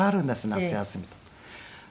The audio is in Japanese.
『夏休み』とか。